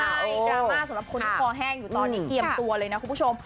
ใช่ดราม่าสำหรับคนที่คอแห้งอยู่ตอนนี้เตรียมตัวเลยนะคุณผู้ชม